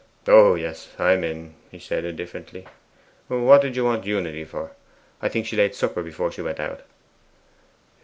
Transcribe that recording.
'Oh yes, I am in,' he said indifferently. 'What did you want Unity for? I think she laid supper before she went out.